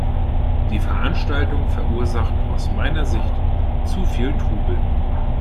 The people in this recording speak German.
Die Veranstaltung verursacht aus meiner Sicht zu viel Trubel.